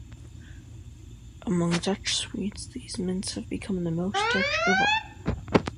Among Dutch sweets, these mints have become the "most Dutch of all".